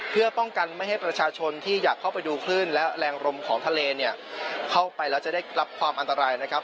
เพื่อป้องกันไม่ให้ประชาชนที่อยากเข้าไปดูคลื่นและแรงลมของทะเลเนี่ยเข้าไปแล้วจะได้รับความอันตรายนะครับ